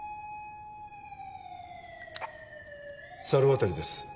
猿渡です